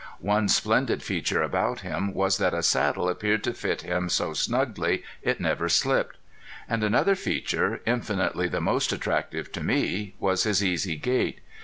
One splendid feature about him was that a saddle appeared to fit him so snugly it never slipped. And another feature, infinitely the most attractive to me, was his easy gait.